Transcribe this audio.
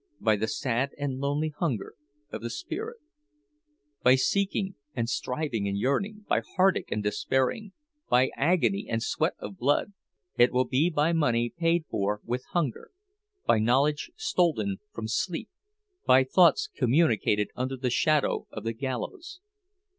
By the sad and lonely hunger of the spirit; by seeking and striving and yearning, by heartache and despairing, by agony and sweat of blood! It will be by money paid for with hunger, by knowledge stolen from sleep, by thoughts communicated under the shadow of the gallows!